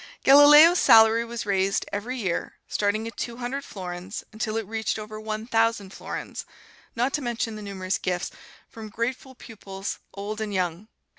Galileo's salary was raised every year, starting at two hundred florins, until it reached over one thousand florins, not to mention the numerous gifts from grateful pupils, old and young.